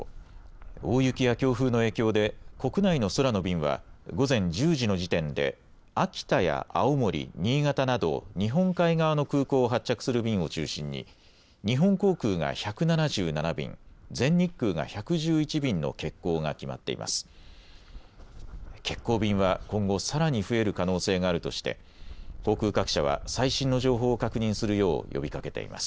大雪や強風の影響で国内の空の便は午前１０時の時点で秋田や青森、新潟など日本海側の空港を発着する便を中心に日本航空が１７７便、全日空が１１１便の欠航が決まっています。